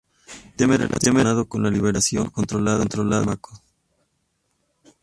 Tema relacionado con la liberación controlada de fármacos.